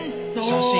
写真。